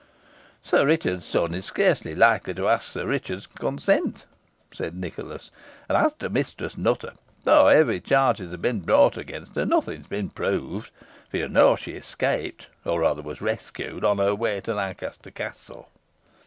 "Sir Richard's son is scarcely likely to ask Sir Richard's consent," said Nicholas; "and as to Mistress Nutter, though heavy charges have been brought against her, nothing has been proved, for you know she escaped, or rather was rescued, on her way to Lancaster Castle."